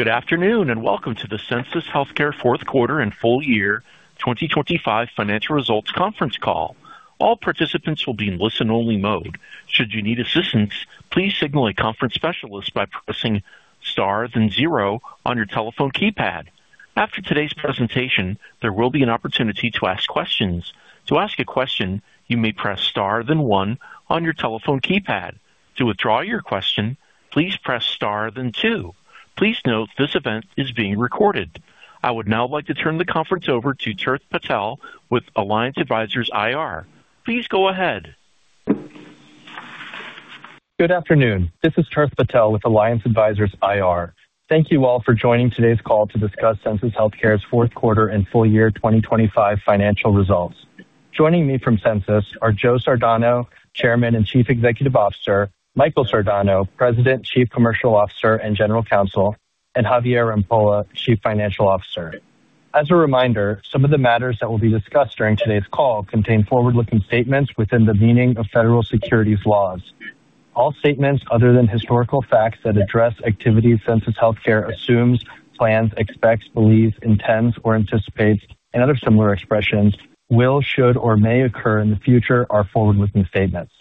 Good afternoon, and welcome to the Sensus Healthcare Fourth Quarter and Full Year 2025 Financial Results Conference Call. All participants will be in listen-only mode. Should you need assistance, please signal a conference specialist by pressing Star then zero on your telephone keypad. After today's presentation, there will be an opportunity to ask questions. To ask a question, you may press Star then one on your telephone keypad. To withdraw your question, please press Star then two. Please note, this event is being recorded. I would now like to turn the conference over to Tirth Patel with Alliance Advisors IR. Please go ahead. Good afternoon. This is Tirth Patel with Alliance Advisors IR. Thank you all for joining today's call to discuss Sensus Healthcare's fourth quarter and Full Year 2025 financial results. Joining me from Sensus are Joe Sardano, Chairman and Chief Executive Officer, Michael Sardano, President, Chief Commercial Officer, and General Counsel, and Javier Rampolla, Chief Financial Officer. As a reminder, some of the matters that will be discussed during today's call contain forward-looking statements within the meaning of federal securities laws. All statements other than historical facts that address activities Sensus Healthcare assumes, plans, expects, believes, intends or anticipates, and other similar expressions, will, should, or may occur in the future are forward-looking statements.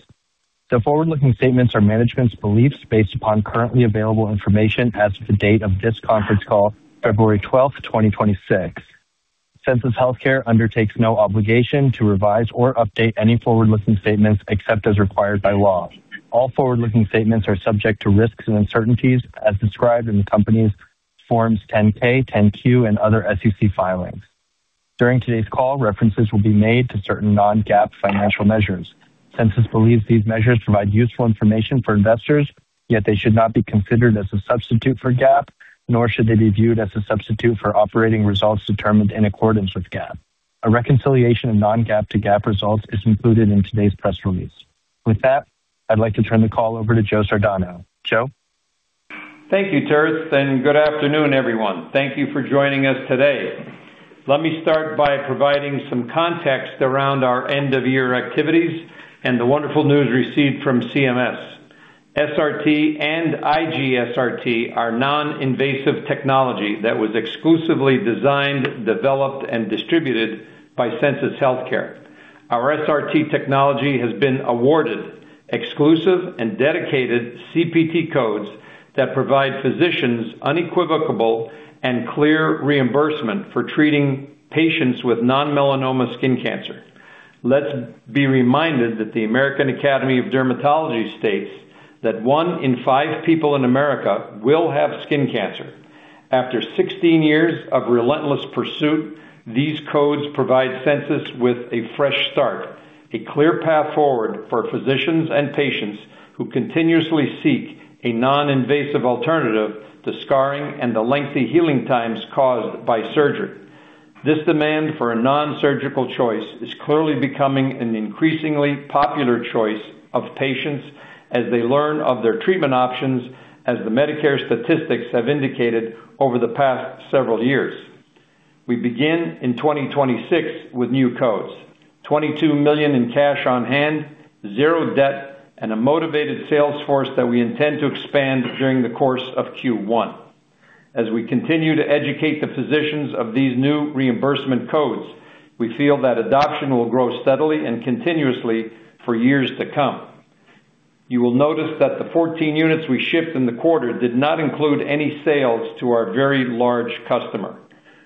The forward-looking statements are management's beliefs based upon currently available information as of the date of this conference call, February 12, 2026. Sensus Healthcare undertakes no obligation to revise or update any forward-looking statements except as required by law. All forward-looking statements are subject to risks and uncertainties as described in the company's Forms 10-K, 10-Q, and other SEC filings. During today's call, references will be made to certain non-GAAP financial measures. Sensus believes these measures provide useful information for investors, yet they should not be considered as a substitute for GAAP, nor should they be viewed as a substitute for operating results determined in accordance with GAAP. A reconciliation of non-GAAP to GAAP results is included in today's press release. With that, I'd like to turn the call over to Joe Sardano. Joe? Thank you, Tirth, and good afternoon, everyone. Thank you for joining us today. Let me start by providing some context around our end-of-year activities and the wonderful news received from CMS. SRT and IG-SRT are non-invasive technology that was exclusively designed, developed and distributed by Sensus Healthcare. Our SRT technology has been awarded exclusive and dedicated CPT codes that provide physicians unequivocal and clear reimbursement for treating patients with non-melanoma skin cancer. Let's be reminded that the American Academy of Dermatology states that 1 in 5 people in America will have skin cancer. After 16 years of relentless pursuit, these codes provide Sensus with a fresh start, a clear path forward for physicians and patients who continuously seek a non-invasive alternative to scarring and the lengthy healing times caused by surgery. This demand for a non-surgical choice is clearly becoming an increasingly popular choice of patients as they learn of their treatment options, as the Medicare statistics have indicated over the past several years. We begin in 2026 with new codes, $22 million in cash on hand, zero debt, and a motivated sales force that we intend to expand during the course of Q1. As we continue to educate the physicians of these new reimbursement codes, we feel that adoption will grow steadily and continuously for years to come. You will notice that the 14 units we shipped in the quarter did not include any sales to our very large customer.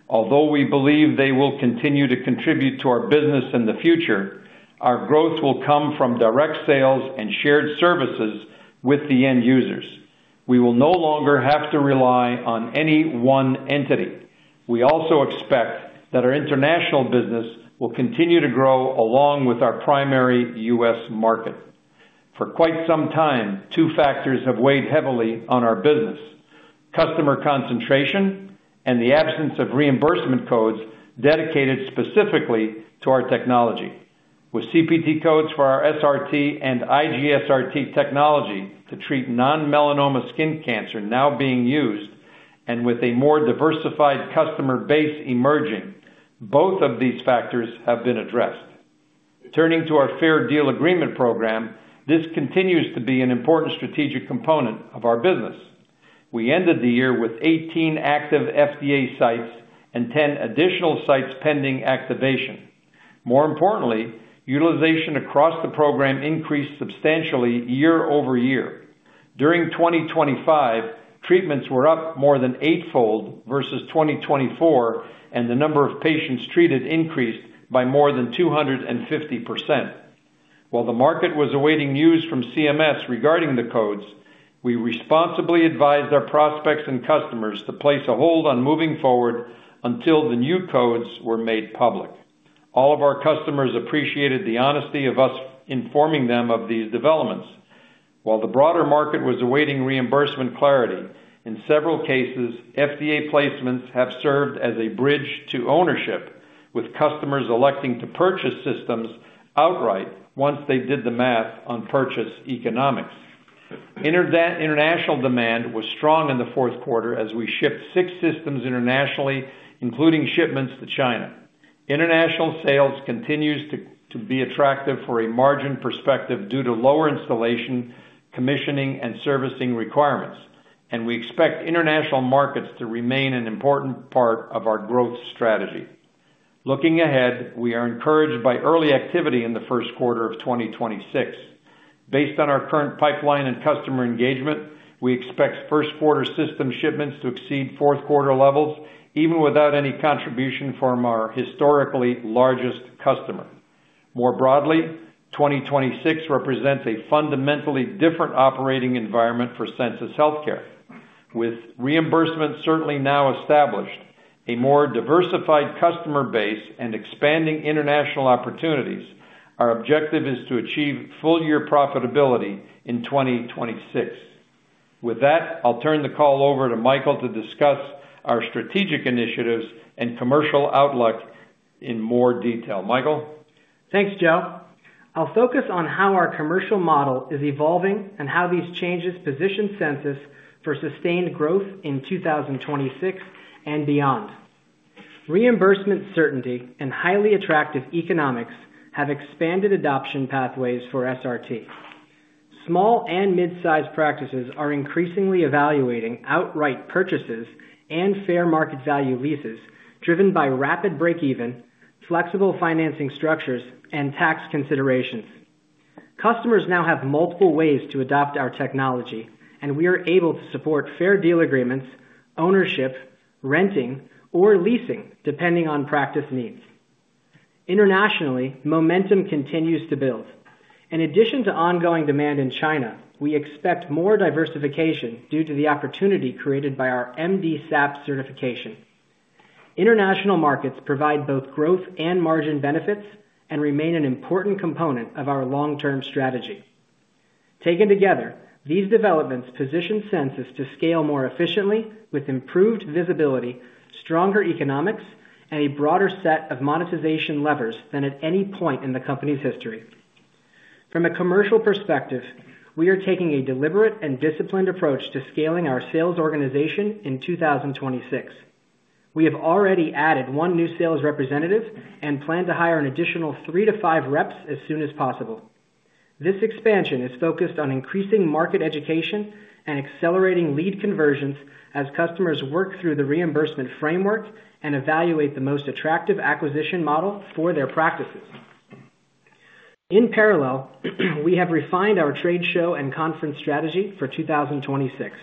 Although we believe they will continue to contribute to our business in the future, our growth will come from direct sales and shared services with the end users. We will no longer have to rely on any one entity. We also expect that our international business will continue to grow along with our primary U.S. market. For quite some time, two factors have weighed heavily on our business: customer concentration and the absence of reimbursement codes dedicated specifically to our technology. With CPT codes for our SRT and IG-SRT technology to treat non-melanoma skin cancer now being used, and with a more diversified customer base emerging, both of these factors have been addressed. Turning to our Fair Deal Agreement program, this continues to be an important strategic component of our business. We ended the year with 18 active FDA sites and 10 additional sites pending activation. More importantly, utilization across the program increased substantially year-over-year. During 2025, treatments were up more than eightfold versus 2024, and the number of patients treated increased by more than 250%. While the market was awaiting news from CMS regarding the codes, we responsibly advised our prospects and customers to place a hold on moving forward until the new codes were made public. All of our customers appreciated the honesty of us informing them of these developments. While the broader market was awaiting reimbursement clarity, in several cases, FDA placements have served as a bridge to ownership, with customers electing to purchase systems outright once they did the math on purchase economics. International demand was strong in the fourth quarter as we shipped six systems internationally, including shipments to China. International sales continues to be attractive for a margin perspective due to lower installation, commissioning, and servicing requirements. We expect international markets to remain an important part of our growth strategy. Looking ahead, we are encouraged by early activity in the first quarter of 2026. Based on our current pipeline and customer engagement, we expect first quarter system shipments to exceed fourth quarter levels, even without any contribution from our historically largest customer. More broadly, 2026 represents a fundamentally different operating environment for Sensus Healthcare. With reimbursement certainly now established, a more diversified customer base and expanding international opportunities, our objective is to achieve full-year profitability in 2026. With that, I'll turn the call over to Michael to discuss our strategic initiatives and commercial outlook in more detail. Michael? Thanks, Joe. I'll focus on how our commercial model is evolving and how these changes position Sensus for sustained growth in 2026 and beyond. Reimbursement certainty and highly attractive economics have expanded adoption pathways for SRT. Small and mid-sized practices are increasingly evaluating outright purchases and fair market value leases, driven by rapid breakeven, flexible financing structures, and tax considerations. Customers now have multiple ways to adopt our technology, and we are able to support Fair Deal agreements, ownership, renting, or leasing, depending on practice needs. Internationally, momentum continues to build. In addition to ongoing demand in China, we expect more diversification due to the opportunity created by our MDSAP certification. International markets provide both growth and margin benefits and remain an important component of our long-term strategy. Taken together, these developments position Sensus to scale more efficiently with improved visibility, stronger economics, and a broader set of monetization levers than at any point in the company's history. From a commercial perspective, we are taking a deliberate and disciplined approach to scaling our sales organization in 2026. We have already added 1 new sales representative and plan to hire an additional 3-5 reps as soon as possible. This expansion is focused on increasing market education and accelerating lead conversions as customers work through the reimbursement framework and evaluate the most attractive acquisition model for their practices. In parallel, we have refined our trade show and conference strategy for 2026.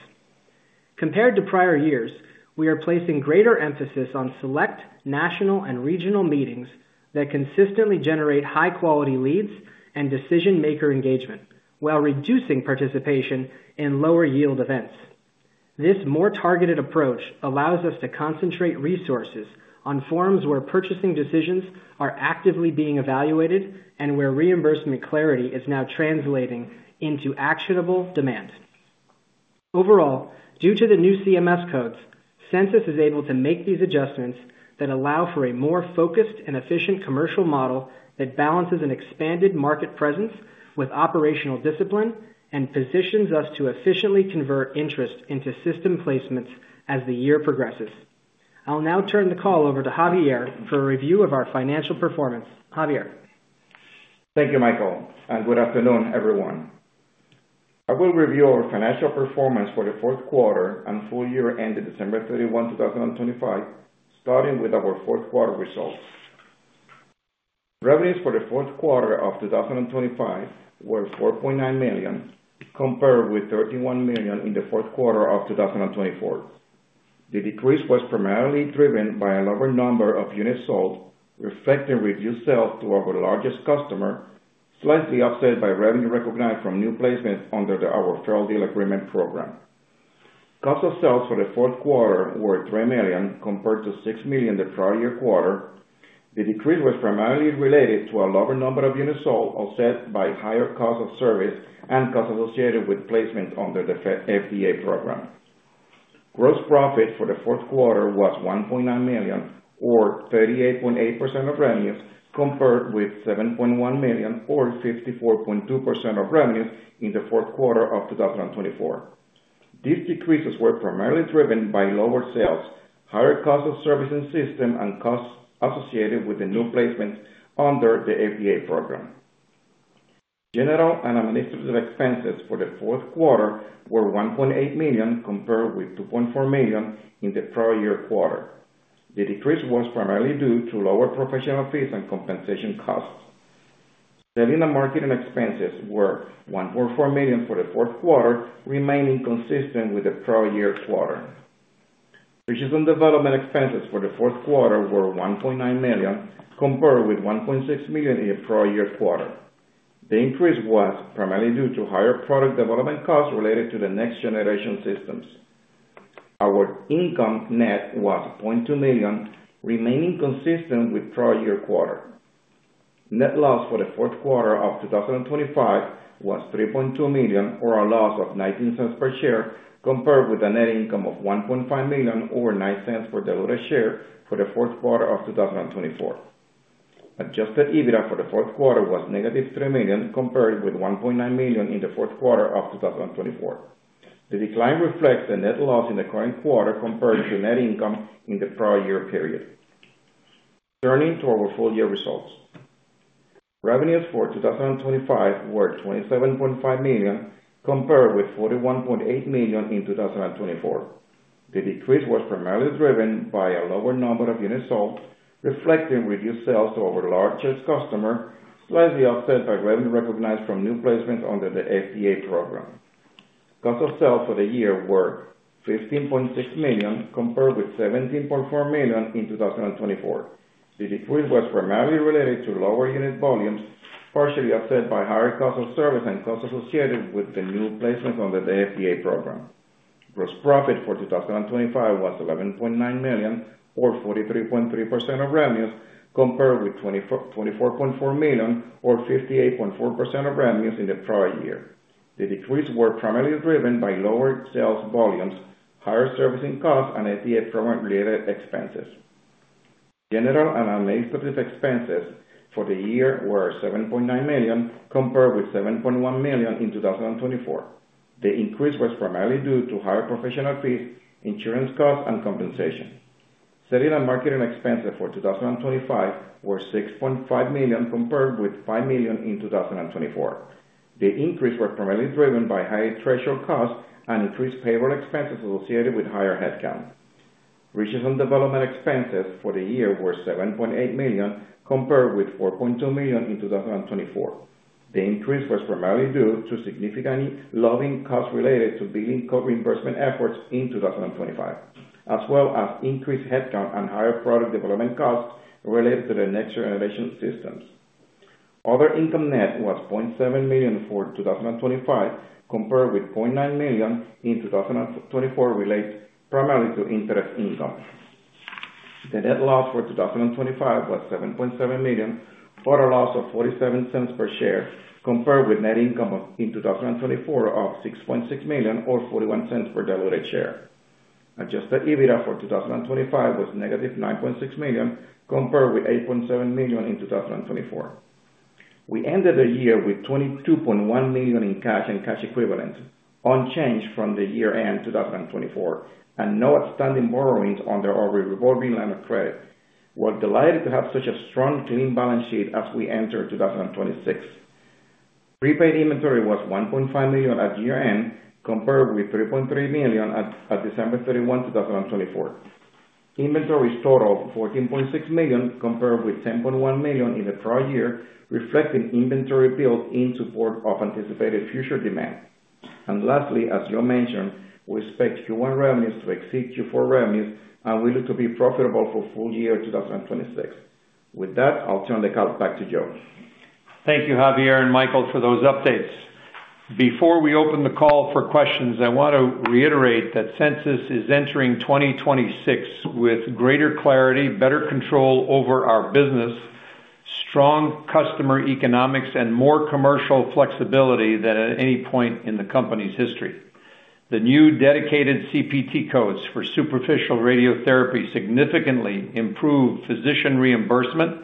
Compared to prior years, we are placing greater emphasis on select national and regional meetings that consistently generate high-quality leads and decision-maker engagement, while reducing participation in lower yield events. This more targeted approach allows us to concentrate resources on forums where purchasing decisions are actively being evaluated and where reimbursement clarity is now translating into actionable demand. Overall, due to the new CMS codes, Sensus is able to make these adjustments that allow for a more focused and efficient commercial model that balances an expanded market presence with operational discipline and positions us to efficiently convert interest into system placements as the year progresses. I'll now turn the call over to Javier for a review of our financial performance. Javier? Thank you, Michael, and good afternoon, everyone. I will review our financial performance for the fourth quarter and full year ended December 31, 2025, starting with our fourth quarter results. Revenues for the fourth quarter of 2025 were $4.9 million, compared with $31 million in the fourth quarter of 2024. The decrease was primarily driven by a lower number of units sold, reflecting reduced sales to our largest customer, slightly offset by revenue recognized from new placements under our Fair Deal Agreement program. Cost of sales for the fourth quarter were $3 million, compared to $6 million the prior year quarter. The decrease was primarily related to a lower number of units sold, offset by higher cost of service and costs associated with placement under the FDA program. Gross profit for the fourth quarter was $1.9 million, or 38.8% of revenues, compared with $7.1 million, or 54.2% of revenues, in the fourth quarter of 2024. These decreases were primarily driven by lower sales, higher cost of servicing system, and costs associated with the new placements under the FDA program. General and administrative expenses for the fourth quarter were $1.8 million, compared with $2.4 million in the prior year quarter. The decrease was primarily due to lower professional fees and compensation costs. Selling and marketing expenses were $1.4 million for the fourth quarter, remaining consistent with the prior year quarter. Research and development expenses for the fourth quarter were $1.9 million, compared with $1.6 million in the prior year quarter. The increase was primarily due to higher product development costs related to the next-generation systems. Our net income was $0.2 million, remaining consistent with prior year quarter. Net loss for the fourth quarter of 2025 was $3.2 million, or a loss of $0.19 per share, compared with a net income of $1.5 million, or $0.09 per diluted share for the fourth quarter of 2024. Adjusted EBITDA for the fourth quarter was -$3 million, compared with $1.9 million in the fourth quarter of 2024. The decline reflects the net loss in the current quarter compared to net income in the prior year period. Turning to our full year results. Revenues for 2025 were $27.5 million, compared with $41.8 million in 2024. The decrease was primarily driven by a lower number of units sold, reflecting reduced sales to our largest customer, slightly offset by revenue recognized from new placements under the FDA program. Cost of sales for the year were $15.6 million, compared with $17.4 million in 2024. The decrease was primarily related to lower unit volumes, partially offset by higher cost of service and costs associated with the new placement under the FDA program. Gross profit for 2025 was $11.9 million, or 43.3% of revenues, compared with 2024, $24.4 million or 58.4% of revenues in the prior year. The decrease was primarily driven by lower sales volumes, higher servicing costs, and FDA program-related expenses. General and administrative expenses for the year were $7.9 million, compared with $7.1 million in 2024. The increase was primarily due to higher professional fees, insurance costs, and compensation. Selling and marketing expenses for 2025 were $6.5 million, compared with $5 million in 2024. The increase was primarily driven by high threshold costs and increased payroll expenses associated with higher headcount. Research and development expenses for the year were $7.8 million, compared with $4.2 million in 2024. The increase was primarily due to significantly higher costs related to billing and reimbursement efforts in 2025, as well as increased headcount and higher product development costs related to the next generation systems. Other income net was $0.7 million for 2025, compared with $0.9 million in 2024, related primarily to interest income. The net loss for 2025 was $7.7 million, or a loss of $0.47 per share, compared with net income of, in 2024 of $6.6 million, or $0.41 per diluted share. Adjusted EBITDA for 2025 was -$9.6 million, compared with $8.7 million in 2024. We ended the year with $22.1 million in cash and cash equivalents, unchanged from the year-end 2024, and no outstanding borrowings under our revolving line of credit. We're delighted to have such a strong, clean balance sheet as we enter 2026. Prepaid inventory was $1.5 million at year-end, compared with $3.3 million at December 31, 2024. Inventories total $14.6 million, compared with $10.1 million in the prior year, reflecting inventory build in support of anticipated future demand. And lastly, as Joe mentioned, we expect Q1 revenues to exceed Q4 revenues, and we look to be profitable for full year 2026. With that, I'll turn the call back to Joe. Thank you, Javier and Michael, for those updates. Before we open the call for questions, I want to reiterate that Sensus is entering 2026 with greater clarity, better control over our business, strong customer economics, and more commercial flexibility than at any point in the company's history. The new dedicated CPT codes for superficial radiotherapy significantly improve physician reimbursement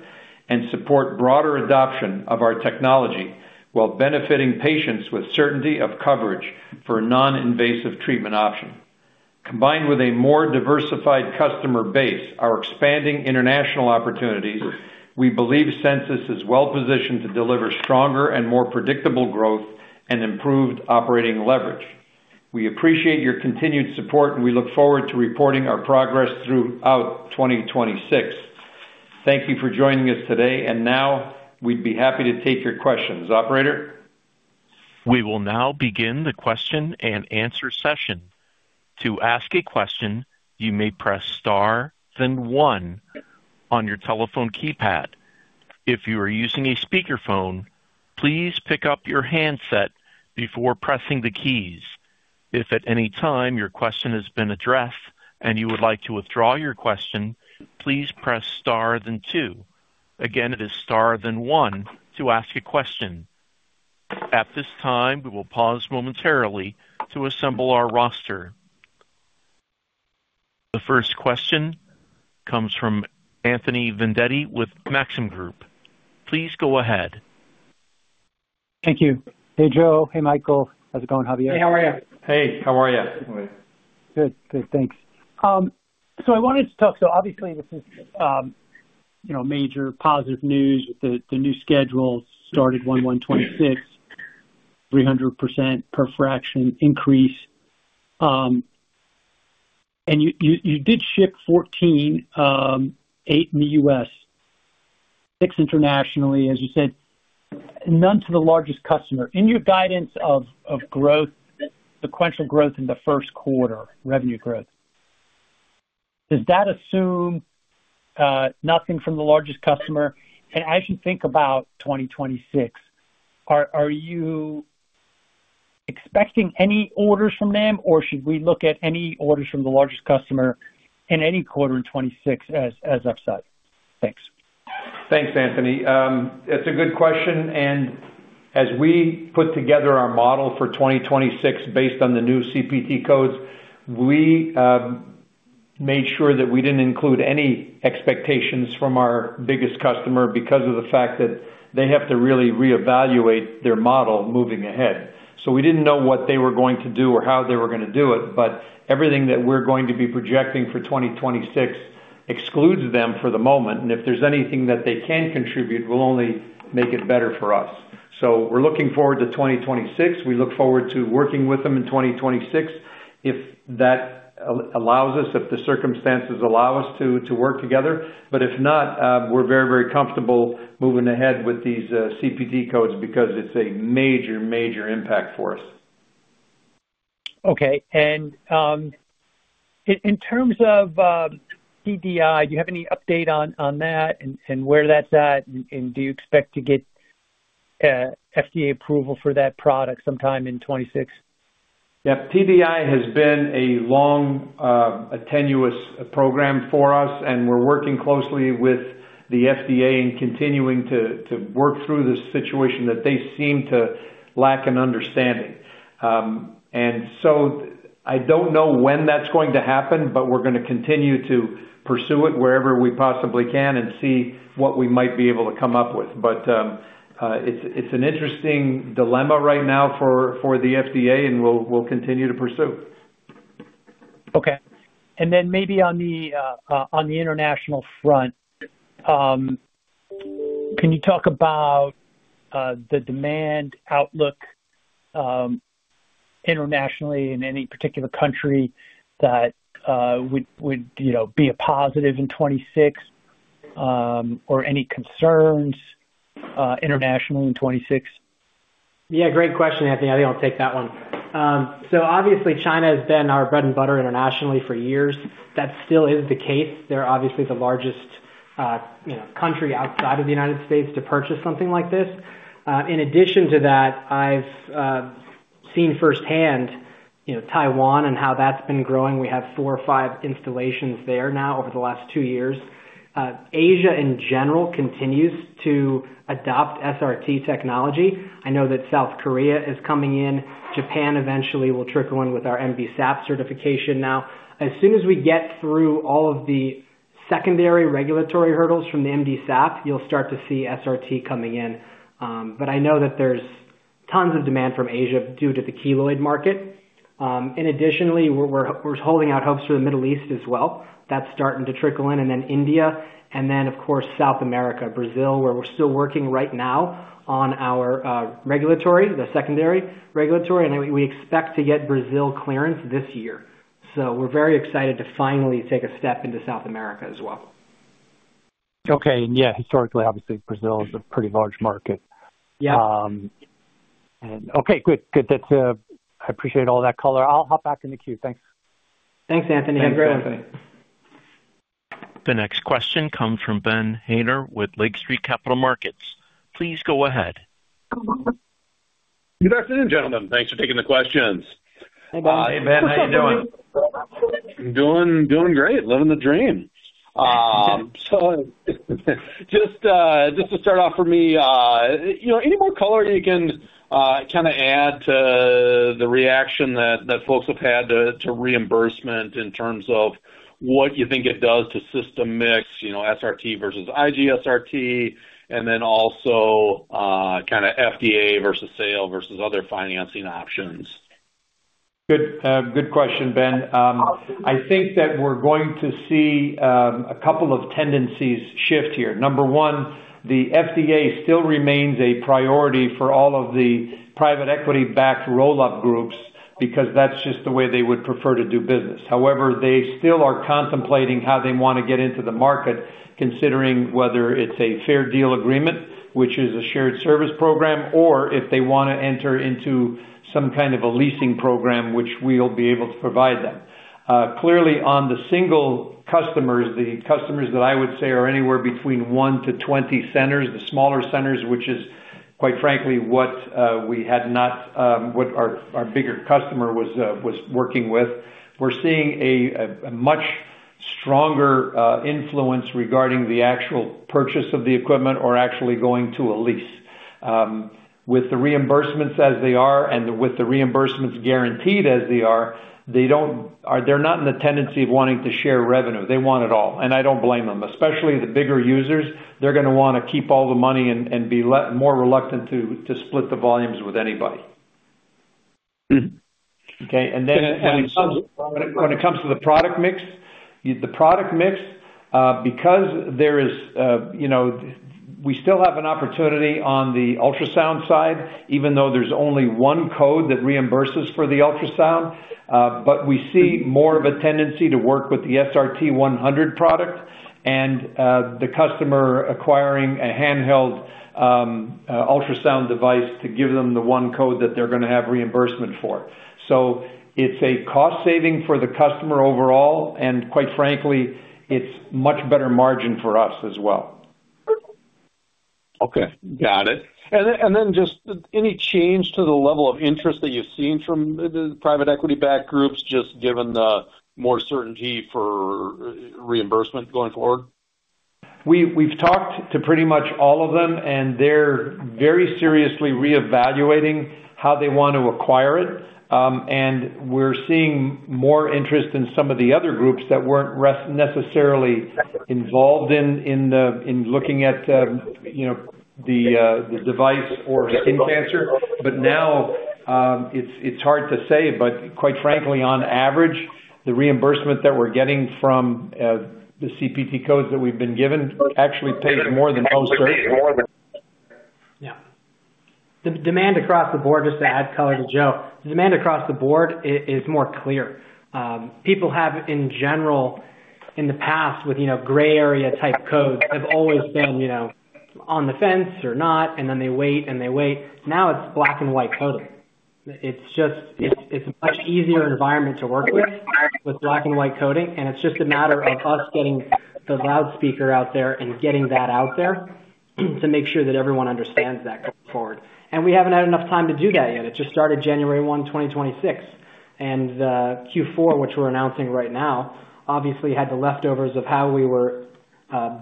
and support broader adoption of our technology, while benefiting patients with certainty of coverage for a non-invasive treatment option. Combined with a more diversified customer base, our expanding international opportunities, we believe Sensus is well positioned to deliver stronger and more predictable growth and improved operating leverage. We appreciate your continued support, and we look forward to reporting our progress throughout 2026. Thank you for joining us today, and now we'd be happy to take your questions. Operator? We will now begin the question-and-answer session. To ask a question, you may press star, then one on your telephone keypad. If you are using a speakerphone, please pick up your handset before pressing the keys. If at any time your question has been addressed and you would like to withdraw your question, please press star then two. Again, it is star, then one to ask a question. At this time, we will pause momentarily to assemble our roster. The first question comes from Anthony Vendetti with Maxim Group. Please go ahead. Thank you. Hey, Joe. Hey, Michael. How's it going, Javier? Hey, how are you? Hey, how are you? Good. Good, thanks. So I wanted to talk. So obviously, this is, you know, major positive news with the new schedule started 1/1/2026, 300% per fraction increase. And you did ship 14, eight in the U.S., six internationally, as you said, none to the largest customer. In your guidance of growth, sequential growth in the first quarter, revenue growth, does that assume nothing from the largest customer? And as you think about 2026, are you expecting any orders from them, or should we look at any orders from the largest customer in any quarter in 2026 as upside? Thanks. Thanks, Anthony. That's a good question, and as we put together our model for 2026 based on the new CPT codes, we made sure that we didn't include any expectations from our biggest customer because of the fact that they have to really reevaluate their model moving ahead. So we didn't know what they were going to do or how they were going to do it, but everything that we're going to be projecting for 2026 excludes them for the moment, and if there's anything that they can contribute, will only make it better for us. So we're looking forward to 2026. We look forward to working with them in 2026, if that allows us, if the circumstances allow us to work together. But if not, we're very, very comfortable moving ahead with these CPT codes because it's a major, major impact for us. Okay. And, in terms of TDI, do you have any update on that and where that's at, and do you expect to get FDA approval for that product sometime in 2026? Yeah, TDI has been a long, a tenuous program for us, and we're working closely with the FDA and continuing to work through this situation that they seem to lack in understanding. And so I don't know when that's going to happen, but we're gonna continue to pursue it wherever we possibly can and see what we might be able to come up with. But, it's an interesting dilemma right now for the FDA, and we'll continue to pursue. Okay. And then maybe on the international front, can you talk about the demand outlook internationally in any particular country that would, you know, be a positive in 2026, or any concerns internationally in 2026? Yeah, great question, Anthony. I think I'll take that one. So obviously, China has been our bread and butter internationally for years. That still is the case. They're obviously the largest, you know, country outside of the United States to purchase something like this. In addition to that, I've seen firsthand, you know, Taiwan and how that's been growing. We have four or five installations there now over the last two years. Asia, in general, continues to adopt SRT technology. I know that South Korea is coming in. Japan eventually will trickle in with our MDSAP certification now. As soon as we get through all of the secondary regulatory hurdles from the MDSAP, you'll start to see SRT coming in. But I know that there's tons of demand from Asia due to the keloid market. and additionally, we're holding out hopes for the Middle East as well. That's starting to trickle in, and then India, and then, of course, South America, Brazil, where we're still working right now on our regulatory, the secondary regulatory, and we expect to get Brazil clearance this year. So we're very excited to finally take a step into South America as well. Okay. Yeah, historically, obviously, Brazil is a pretty large market. Yeah. Okay, good. Good. That's. I appreciate all that color. I'll hop back in the queue. Thanks. Thanks, Anthony. Have a great day. Thanks, Anthony. The next question comes from Ben Haynor with Lake Street Capital Markets. Please go ahead. Good afternoon, gentlemen. Thanks for taking the questions. Hey, Ben. Hey, Ben. How you doing? I'm doing great, living the dream. So just to start off for me, you know, any more color you can kind of add to the reaction that folks have had to reimbursement in terms of what you think it does to system mix, you know, SRT versus IG-SRT, and then also kind of FDA versus sale versus other financing options? Good, good question, Ben. I think that we're going to see a couple of tendencies shift here. Number one, the FDA still remains a priority for all of the private equity-backed roll-up groups because that's just the way they would prefer to do business. However, they still are contemplating how they want to get into the market, considering whether it's a Fair Deal Agreement, which is a shared service program, or if they want to enter into some kind of a leasing program, which we'll be able to provide them. Clearly, on the single customers, the customers that I would say are anywhere between 1 - 20 centers, the smaller centers, which is, quite frankly, what our bigger customer was working with. We're seeing a much stronger influence regarding the actual purchase of the equipment or actually going to a lease. With the reimbursements as they are and with the reimbursements guaranteed as they are, they don't. They're not in the tendency of wanting to share revenue. They want it all, and I don't blame them. Especially the bigger users, they're gonna wanna keep all the money and be more reluctant to split the volumes with anybody. Hmm. Okay, and then when it comes to the product mix, the product mix, because there is, you know, we still have an opportunity on the ultrasound side, even though there's only one code that reimburses for the ultrasound, but we see more of a tendency to work with the SRT-100 product and, the customer acquiring a handheld ultrasound device to give them the one code that they're gonna have reimbursement for. So it's a cost saving for the customer overall, and quite frankly, it's much better margin for us as well. Okay, got it. And then, and then just any change to the level of interest that you've seen from the private equity-backed groups, just given the more certainty for reimbursement going forward?... We've talked to pretty much all of them, and they're very seriously reevaluating how they want to acquire it. And we're seeing more interest in some of the other groups that weren't necessarily involved in looking at, you know, the device for skin cancer. But now, it's hard to say, but quite frankly, on average, the reimbursement that we're getting from the CPT codes that we've been given actually pays more than most, more than- Yeah. The demand across the board, just to add color to Joe, demand across the board is more clear. People have, in general, in the past, with, you know, gray area type codes, have always been, you know, on the fence or not, and then they wait, and they wait. Now it's black and white coding. It's just, it's, it's a much easier environment to work with, with black and white coding, and it's just a matter of us getting the loudspeaker out there and getting that out there, to make sure that everyone understands that going forward. And we haven't had enough time to do that yet. It just started January 1, 2026, and Q4, which we're announcing right now, obviously had the leftovers of how we were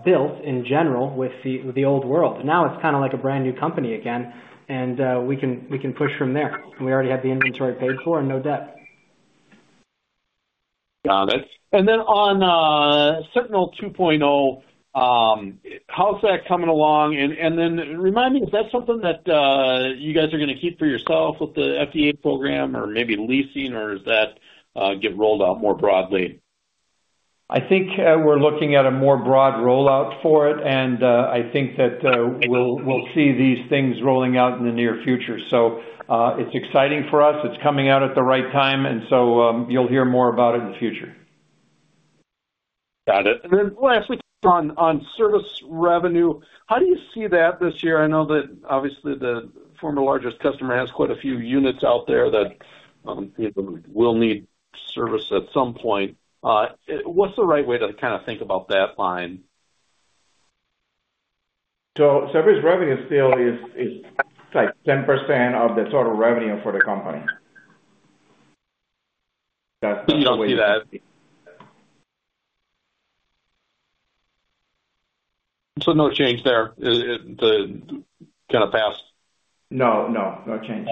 built in general with the old world. But now it's kinda like a brand-new company again, and we can, we can push from there. We already have the inventory paid for and no debt. Got it. And then on, Sentinel 2.0, how's that coming along? And, and then remind me, is that something that, you guys are gonna keep for yourself with the FDA program or maybe leasing, or does that, get rolled out more broadly? I think, we're looking at a more broad rollout for it, and, I think that, we'll see these things rolling out in the near future. So, it's exciting for us. It's coming out at the right time, and so, you'll hear more about it in the future. Got it. And then lastly, on service revenue, how do you see that this year? I know that obviously the former largest customer has quite a few units out there that, you know, will need service at some point. What's the right way to kinda think about that line? Service revenue still is, like, 10% of the total revenue for the company. You don't see that. So no change there in the kind of past? No, no, no change.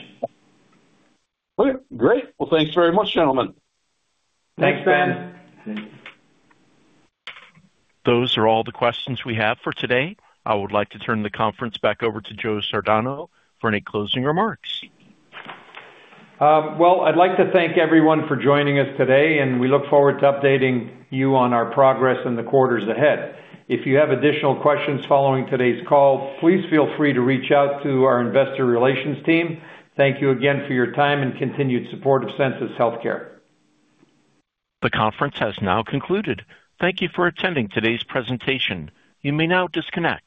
Okay, great. Well, thanks very much, gentlemen. Thanks, Ben. Thanks. Those are all the questions we have for today. I would like to turn the conference back over to Joe Sardano for any closing remarks. Well, I'd like to thank everyone for joining us today, and we look forward to updating you on our progress in the quarters ahead. If you have additional questions following today's call, please feel free to reach out to our investor relations team. Thank you again for your time and continued support of Sensus Healthcare. The conference has now concluded. Thank you for attending today's presentation. You may now disconnect.